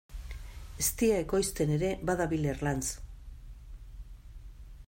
Eztia ekoizten ere badabil Erlanz.